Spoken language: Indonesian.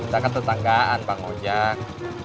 caka tetanggaan bang ojek